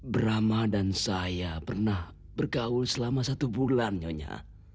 brama dan saya pernah bergaul selama satu bulan nyonya